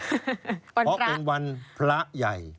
เดี๋ยวผมจะพูดให้ฟังคุณนิวครับวันนี้ผมนึกว่าจะเอาเบา